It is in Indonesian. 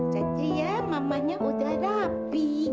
jadinya mamanya udah rapi